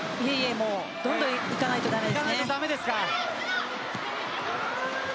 どんどんいかないとだめです。